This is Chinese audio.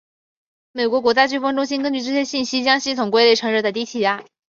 美国国家飓风中心根据这些信息将系统归类成热带低气压。